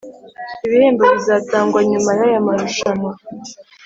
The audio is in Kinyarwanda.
ibihembo bizatangwa nyuma yaya marushanwa.